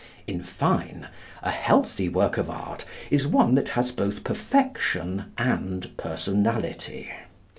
In fine, a healthy work of art is one that has both perfection and personality.